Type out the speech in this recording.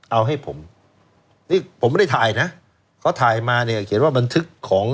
เอาให้ผมนี่ผมไม่ได้ถ่ายนะเขาถ่ายมาเนี่ยเขียนว่าบันทึกของ